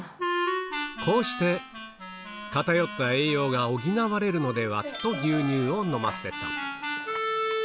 こうして、偏った栄養が補われるのではと牛乳を飲ませた。